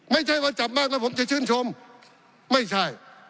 ไม่ใช่ว่าจับมากแล้วผมจะชื่นชมไม่ใช่